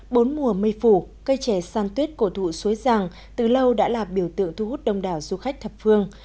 bốn mùa mây phủ cây trẻ san tuyết cổ thụ suối giang từ lâu đã là biểu tượng thu hút đông đảo du khách thập phương